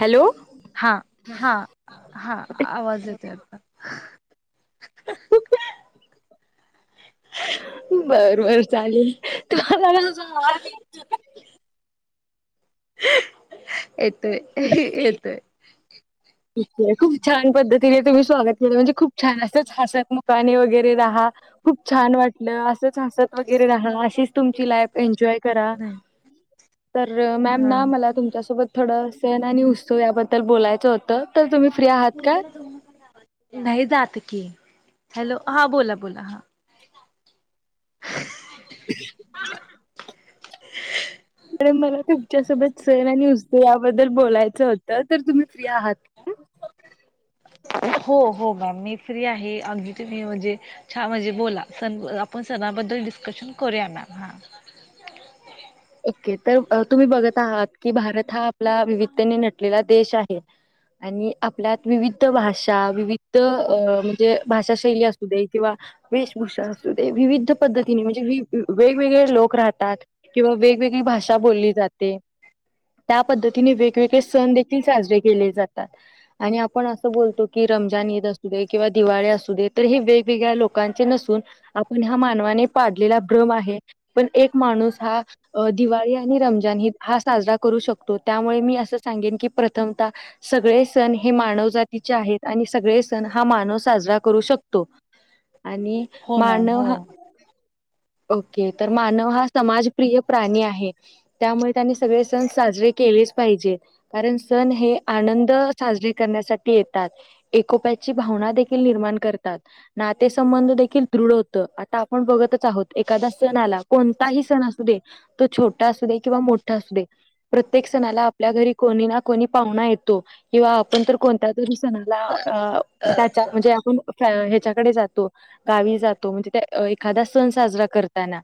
Hello हा हा हा आवाज येते आता. बर बर चालेल तुला. [unintelligible] येतोय येतोय. ठीक हे खूप छान पद्धतीने तुम्ही स्वागत केलं म्हणजे खूप छान असंच हसत मुकाने वगैरे रहा खूप छान वाटलं असं. हसत वगैरे राहा, अशीच तुमची लाईफ एन्जॉय करा. नाही तर मॅम हा ना मला तुमच्यासोबत थोडं सण आणि उत्सव, याबद्दल बोलायचं होतं तर तुम्ही फ्री आहात का? तुम नाही जात की हॅलो हा बोला, बोला हा. [unintelligible] आणि मला तुमच्यासोबत सण आणि उत्सव याबद्दल, बोलायचं होतं तर तुम्ही फ्री आहात. हो हो ग मी फ्री आहे अगदी तुम्ही म्हणजे छा म्हणजे बोला सन पण सनाबद्दल डिस्कशन करूया मॅम हां. ओके तर त तुम्ही बघत आहात, की भारत हा आपला विविधतेने नटलेला देश आहे. आणि आपल्यात विविध भाषा, विविध अ म्हणजे भाषा शैली अस किंवा वेशभूषा असू दे, विविध पद्धतीने म्हणजे वेगवेगळे लोक राहतात. व वेगवेगळी भाषा बोलली जाते, त्या पद्धतीने वेगवेगळे सण देखील साजरे केले जातात, आणि आपण अस बोलतो. कि रमजान ईद असू दे, किंवा दिवाळी असू दे, तर हे वेगवेगळ्या लोकांचे नसून आपण ह्या मानवाने पाडलेला भ्रम आहे, पण एक माणूस हा अ दिवाळी आणि रमजान ईद हा साजरा करू शकतो त्यामुळे मी असं सांगेन की प्रत तमता सगळे सण हे मानव जातीचे आहेत, आणि सगळे सण हा मानव साजरा करू शक तो आणि हो मॅम मानव हो हा ओके तर मानव हा समाजप्रिय प्राणी आहे. त्यामुळे त्यांनी सगळे सण साजरे केलेच पाहिजे. कारण सण हे आनंद साजरे करण्यासाठी येतात. एकोप्याची भावना देखील निर्माण करतात. नातेसंबंध देखील दृढ होत, आता आपण बघतच आहोत एखादा सणा आला कोणताही सण असु दे तो छोटा असू दे, किंवा मोठा असू दे. प्रत्येक सणाला आपल्या घरी कोणी ना कोणी पाहुणा येतो किंवा आपण तर कोणत्या तरी सणाला अ. त्याच्या म्हणजे आपण ह्याच्याकडे जातो. गावी जातो म्हणजे त्या एखादा सण साजरा करताना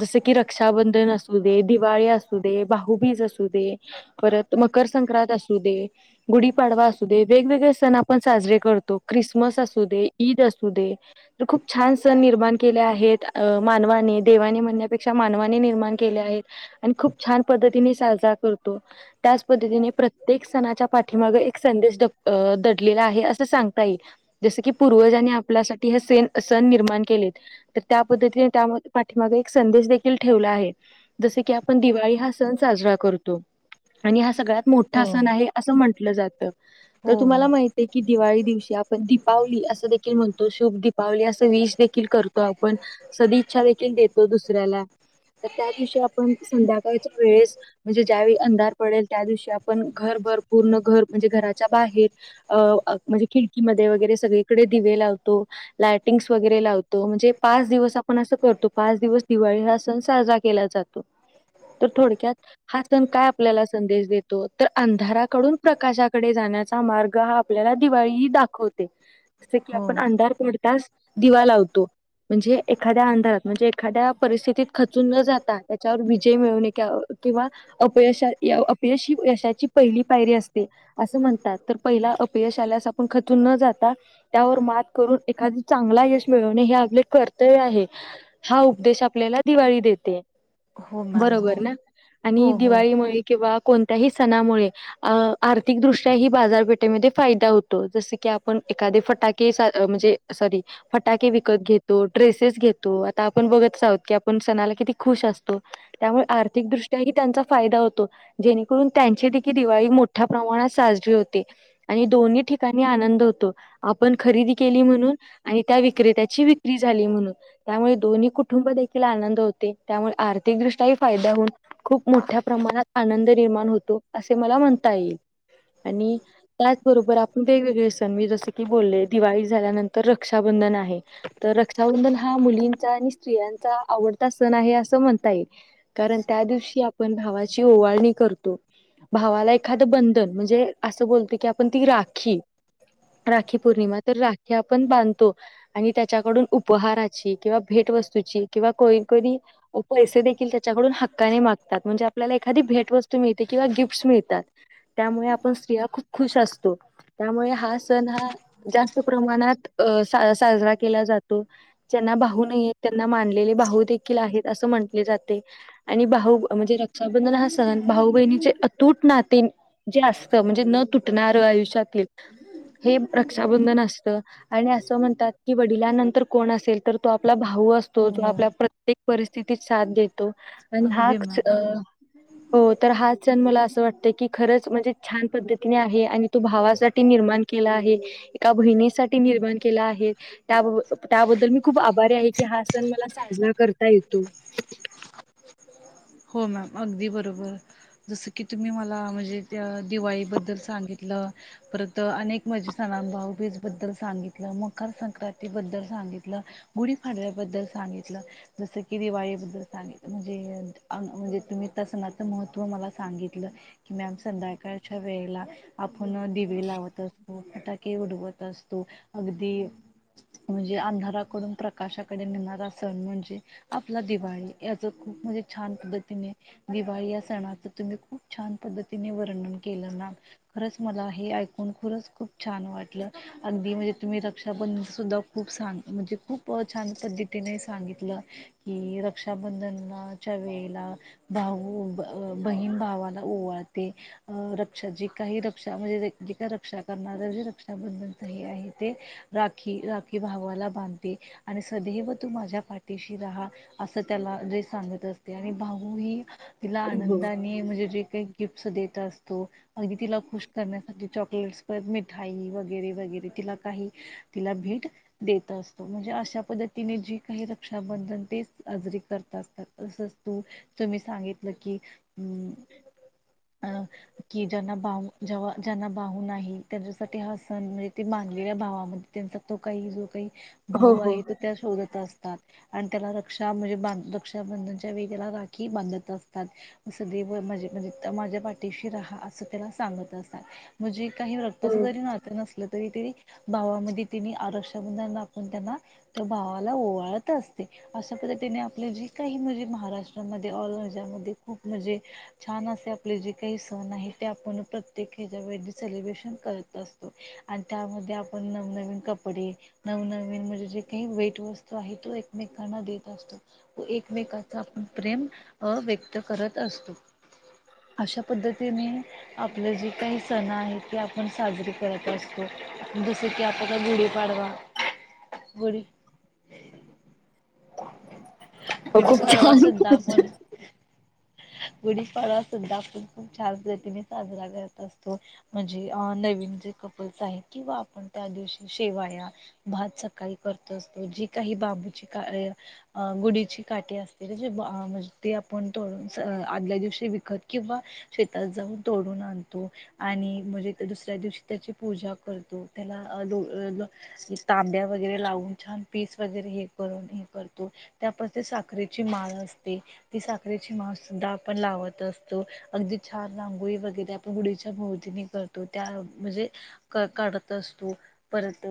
जस की र. रक्षाबंधन असू दे दिवाळी अस. भाऊबीज असू दे परत मकर संक्रांत असू दे गुढीपाडवा अस. वेगवेगळे सण आपण साजरे करतो क्रिसमस असू दे ईद असू दे. तर खूप छान सण निर्माण केले आहेत मानवाने देवाने म्हणण्यापेक्षा. मानवाने निर्माण केल्या आहेत आणि खूप छान पद्धतीने साजरा करतो. त्याच पद्धतीने प्रत्येक सणाच्या पाठीमागं एक संदेश. अ दडलेला आहे असं सांगता येईल जसं की पूर्वजांनी. आपल्या हे स सण निर्माण केले तर त्या पद्धतीने त्या पाठीमाग एक संदेश. ठेवला आहे जस की आपण दिवाळी हा सण साजरा करतो आणि हा सगळ्यात. मोठा हो सण आहे असं म्हंटलं जात तर हो हो तुम्हाला माहिती. क दिवाळी दिवशी आपण दीपावली असं देखील म्हणतो शुभ दीपावली असं विष देखील करतो आपण. सदी इच्छा देखील देतो दुसऱ्याला तर त्या दिवशी आपण संध्याकाळच्या वेळेस. म्हणजे ज्यावेळी अंधार पडेल त्या दिवशी आपण घरभर पूर्ण घर म्हणजे घराच्या बाहेर. अ म्हणजे खिडकीमध्ये वगैरे सगळीकडे दिवे लावतो. लायटिंग्स वगैरे लावतो म्हणजे पाच दिवस आपण असं करतो पाच दिवस दिवाळी हा. सण साजरा केला जातो तर थोडक्यात. हा सण काय आपल्याला संदेश देतो तर अंधाराकडून प्रकाशाकडे जाण्याचा मार्ग हा. आपल्याला दिवाळी दाखवते जस की आपण हो. अंधार पडताच दिवा लावतो. म्हणजे एखाद्या अंधारात म्हणजे एखाद्या परिस्थितीत. खचून न जाता त्याच्यावर विजय मिळवणे किंवा. अपयश अपयशी यशाची पहिली पायरी असते. असं म्हणतात तर पहिला अपयशाल्यास आपण खचून न जाता. त्यावर मात करून एखादी चांगला यश मिळवणे हे आपले कर्तव्य आहे. हा उपदेश आपल्याला दिवाळी देते. हो मॅम बरोबर हो ना आणि हो हो दिवाळीमुळे किंवा कोणत्याही सणामुळे अ आर्थिकदृष्ट्या ही बाजारपेठेमध्ये फायदा होतो. जस की आपण एखादे फटाके म्हणजे. सॉरी फटाके विकत घेतो ड्रेसेस घेतो. आता आपण बघत आहोत की पण सणाला किती खुश असतो त्यामुळे आर्थिकदृष्ट्याही त्यांचा फायदा होतो. जेणेकरून त्यांची देखी दिवाळी मोठ्या प्रमाणात साजरी होते. आणि दोन्ही ठिकाणी आनंद होतो. आपण खरेदी केली म्हणून आणि त्या विक्रेत्याची विक्री झाली म्हणून त्यामुळे दोन्ही कुटुंब देखील आनंद होते त्यामुळे आर्थिकदृष्ट्याही फायदा होऊन खूप मोठ्या प्रमाणात आनंद निर्माण होतो. असे मला म्हणता येईल आणि त्याचबरोबर आपण वेगवेगळे सण मी जस की बोलले दिवाळी झाल्यानंतर रक्षाबंधन आहे. तर रक्षाबंधन हा मुलींचा आणि स्त्रियांचा आवडता सण आहे असं म्हणता. ये कारण त्या दिवशी आपण भावाची ओवाळणी करतो. भावाला एखादं बंधन म्हणजे असं बोलतो. की आपण ती राखी राखी पौर्णिमा तर राखी आपण बांधतो. आणि त्याच्याकडून उपहाराची किंवा भेटवस्तूची किंवा कधी कधी. पैसे देखील त्याच्याकडून हक्काने मागतात म्हणजे आपल्याला एखादी भेटवस्तू मिळते किंवा गिफ्टस मिळतात. त्यामुळे आपण स्त्रिया खूप खुश असतो त्यामुळे हा सण हा जास्त प्रमाणात अ साजरा केला. जातो ज्यांना भाहू नाही त्यांना मानलेले भाऊू देखील आहेत असं म्हटले जाते आणि भाऊ म्हणजे रक्षाबंधन हा सण भाऊ बहिणीचे अतूट नाते जे असत म्हणजे न तुटणार आयुष्यातले हे रक्षाबंधन असत आणि असं म्हणतात की वडिलांनंतर कोण असेल तर तो आपला भाऊ असतो. तोच हो आपला प्रत्येक परिस्थितीत साथ देतो. आणि हा अगदी मॅम हो तर हा सण मला असं वाटतं. की खरंच म्हणजे छान पद्धतीने आहे आणि तू भावासाठी निर्माण केला आहे एका बहिणीसाठीठी निर्माण केला आहे. त्या त्याबद्दल मी खूप आभारी आहे की हा सण मला साजरा करता येतो. हो मॅम अगदी बरोबर जसं की तुम्ही मला म्हणजे त्या दिवाळीबद्दल सांगितलं. परत अनेक माझे सणानु भाऊबीज बद्दल सांगित. मकर संक्रांती बद्दल सांगितलं गुढीपाडव्याबद्दल सांगितलं. जसं की दिवाळीबद्दल सांगित म्हणजे. म्हणजे तुम्ही तसनाचं महत्त्व मला सांगितलं. की मॅम संध्याकाळच्या वेळेला आपण दिवे लावत असतो फटाके उडवत असतो. अगदी म्हणजे अंधाराकडून प्रकाशाकडे नेणारा सण म्हणजे आपला दिवाळी याच खूप म्हणजे छान पद्धतीने दिवाळी या सणाच तुम्ही खूप छान पद्धतीने वर्णन केलं ना खरंच मला हे ऐकून खूरच खूप छान वाटलं अगदी म्हणजे तुम्ही रक्षाबंधन सुद्धा खूप सांग म्हणजे खूप छान पद्धतीने सांगितलं. की रक्षाबंधनला च्या वेळेला भाऊ बहीण भावाला ओवळते. रक्षा जी काही रक्षा म्हणजे जे का रक्षा करणारर जे रक्षाबंधन हे आहे. ते राखी राखी भागवाला बांधते. आणि सदैव तू माझ्या पाठीशी राहा असं त्याला जे सांगत. आणि भाऊू ह तिला आनंदाने म्हणजे जे काही गिफ्ट देत असते. अगदी तिला खुश करण्यासाठी चॉकलेट प मिठाई वगैरे वगैरे तिला काही तिला भेट देत असतो म्हणजे अशा पद्धतीने जी काही रक्षाबंधन ते साजरी करत असतात. अस तू तर मी सांगितलं की हम् अ की ज बम [inaudible] जेव्हा ज्यांना बाहून आहे. त्यांच्यासाठी हा सण म्हणजे ते बांधलेल्या भावामध्ये त्यांचा तो काही जो काही हो भाऊ आहे त त्या शोधचा असतात आणि त्याला रक्षा म्हणजे बंधनच्या वेळी त्याला राखी बांधत असतात अस देवे म्हणजे माझ्या पाठीशी राहा असं त्याला सांगत असतात म्हणजे काही कस हो जरी नात नसलं तरी तरी भावामध्ये त्यांनी आरक्षबंधन दाखवून त्यांना त्या भावाला ओवाळत असते अशा पद्धतीने आपली जी काही म्हणजे महाराष्ट्रामध्ये ऑल इंडयामध्ये खूप म्हणजे छान असे आपले जे काही सण आहे ते आपण प्रत्येक हच्या वेळी सेलिब्रेशन करत असतो आणि त्यामध्ये आपण नवनवीन कपडे नवनवीन म्हणजे जे काही भेट वस्तू आहे ते एकमेकांना देत असतो एकमेकाचा आपण प्रेम व्यक्त करत असतो अशा पद्धतीने आपलं जे काही सण आहे ते आपण साजरीे करत असतो जसं की आपल्याला गुढीपाडवा ह बडी खूप गुढीपाडवा छान सुद्धा [inaudible] आपण गुढीपाडवा सुद्धा आपण खूप छान पद्तीने साजरा करत असतो. म्हणजे अ नवीन जे कपल्स आहे किंवा आपण त्या दिवशी शेवाया भात सकाळी करत असतो जी काही बाबूची काळे गुढीची काटी असते जे म्हणजे ते आपण तोडून आदल्या दिवशी विकत किंवा शेतात जाऊन तोडून आणतो आणि म्हणजे दुसऱ्या दिवशी त्याची पूजा करतो त्याला लो तांब्या वगैरे लावून छान पीस वगैरे हे करून हे करतो त्याप साखरेची माळ असते ती साखरेची माळ सुद्धा पण लावत असतो अगदी छान रांगोळी वगैरे आपण गुढीच्या भोवतीने करतो त्या म्हणजे क कढ असतो परत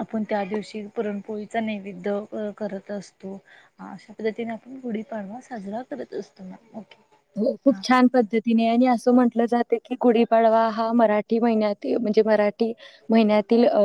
आपण त्या दिवशी पुरणपोळीचा नैवेद्य. पद्धतीने आपण गुढीपाडवा साजरा करत असतो. हो खूप हां छान पद्धतीने आणि असं म्हटलं जाते की गुढीपाडवा हा मराठी महिन्यात म्हणजे मरा महिन्यातील अ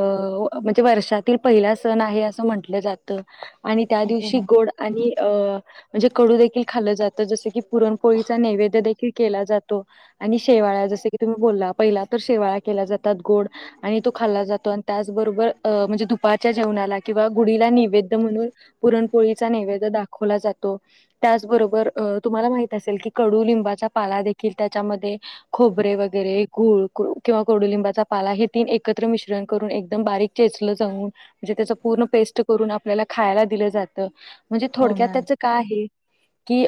म्हणजे वर्षातील पहिला सण आहे असं म्हंटलं जातं. आणि त्या हो दिवशी मॅम गोड आणि म्हणजे कडू ते खाल्ल जातं जसं की पुरण पोळीचा नैवेद्य देखील केला जातो, आणि शेवाळा जस क तुम्ही बोल्ला पहिला तर शेवाळा केला जातात गोड आणि तो खाल्ला जातो आणि त्या बरोबर म्हणजे दुपारच्या जेवणाला. किंवा गुढीला नैवेद्य म्हणून पुरणपोळीचा निैवेद दाखवला जातो. त्याचबरोबर अ तुम्हाला माहित असेल की कडू लिंबाचा पाला देखील त्याच्यामध्ये खोबरे वगैरे गूळ किंवा कोडुलिंबाचा पाला हे तीन एकत्र मिश्रण करून एकदम बारीक चेचलं जाऊन म्हणजे त्याच पूर्ण पेस्ट करून आपल्याला खायला दिलं जातं म्हणजे हो थोडक्यात मॅम त्याच का आहे की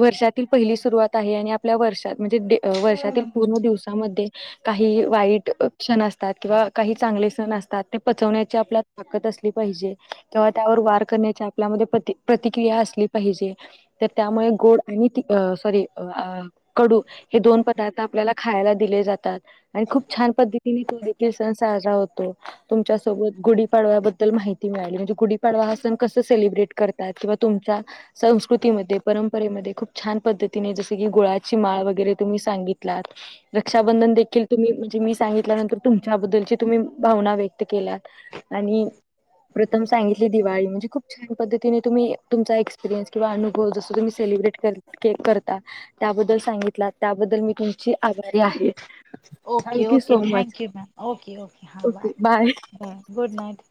वर्षातील पहिली सुरवात आहे आणि आपल्या वर्षात म्हणजे वर्षातील पूर्ण दिवसामध्ये काही वाईट क्षण असतात किंवा काही चांगले सण असतात ते पचवण्याचे आपल्या ताकद असली पाहिजे तेव्हा त्यावर वार करण्याची आपल्यामध्ये प्र प्रतिक्रिया असली. पाहिजे तर त्यामुळे गोड आणि सॉरी कडू हे दोन पदार्थ आपल्याला खायला दिले जातात. आणि खूप छान पद्धतीने तो देखील सण साजरा होतो. तुमच्यासोबत गुढीपाडव्याबद्दल माहिती मिळाली म्हणजे गुढीपाडवा हा सण कसा सेलिब्रेट करतात किंवा तुमचा संस्कृतीमध्ये, परंपरेमध्ये खूप छान पद्धतीने जस की गुळाची माळ वगैरे तुम्ही सांगितलात रक्षाबंधन देखील तुम्ही म्हणजे मी सांगितल्यानंतर तुमच्याबद्दलची तुम्ही भावना व्यक्त केल्यात आणि प्रथम सांगितली दिवाळी म्हणजे खूप पधतीने तुम्ही तुमचा एक्सपरयनस किंवा अनुभव जस तुम्ही सेलिब्रेट कर केक करता त्याबद्दल सांगितला त्याबद्दल मी तुमची आभारी आहे. Okay thank you okay so much thank you ma'am okay okay हां, बाय बाय गुड नाईट.